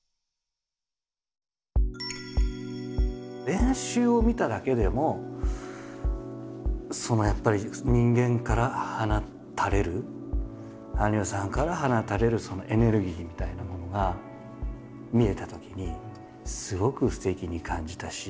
練習を見ただけでもやっぱり人間から放たれる羽生さんから放たれるエネルギーみたいなものが見えたときにすごくすてきに感じたし。